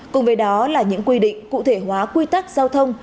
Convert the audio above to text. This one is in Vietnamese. cùng với đó là những quy định cụ thể hóa quy tắc giao thông